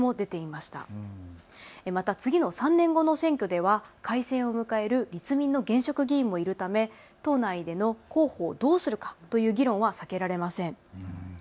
また次の３年後の選挙では改選を迎える立民の現職議員もいるため党内での候補をどうするかという議論は避けられません。